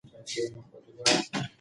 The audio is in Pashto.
راتلونکی نسل به زموږ اثار لولي.